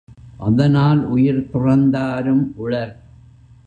அதனால் உயிர் துறந்தாரும் உளர்.